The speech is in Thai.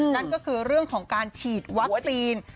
นั่นก็คือเรื่องของการฉีดวัคซีน